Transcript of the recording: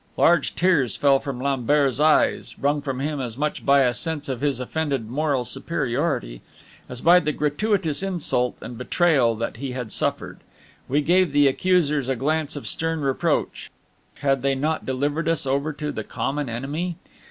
Large tears fell from Lambert's eyes, wrung from him as much by a sense of his offended moral superiority as by the gratuitous insult and betrayal that he had suffered. We gave the accusers a glance of stern reproach: had they not delivered us over to the common enemy?